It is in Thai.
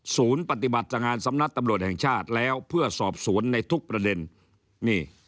ศูนย์ปฏิบัติสำงานสำนักตำโรธแห่งชาติแล้วเพื่อสอบศูนย์ในทุกประเด็นนี่